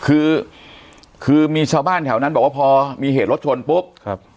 คือคือมีชาวบ้านแถวนั้นบอกว่าพอมีเหตุรถชนปุ๊บครับ